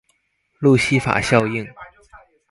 路西法效應